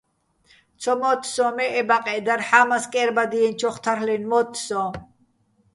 ცო მოთთ სოჼ მე ე ბაყეჸ დარ, ჰ̦ამას კერბადიენჩოხ თარლ'ენო̆ მოთთ სოჼ.